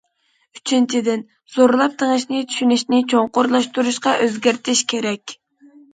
ئۈچىنچىدىن، زورلاپ تېڭىشنى چۈشىنىشنى چوڭقۇرلاشتۇرۇشقا ئۆزگەرتىش كېرەك.